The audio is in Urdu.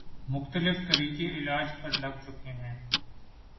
مختلف طریقہ علاج پر لگ چکے ہیں